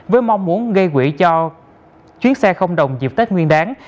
với mong muốn gây quỹ cho chuyến xe không đồng dịp tết nguyên đáng